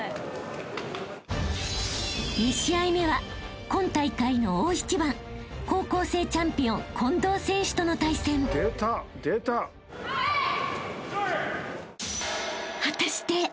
［２試合目は今大会の大一番高校生チャンピオン近藤選手との対戦］きた！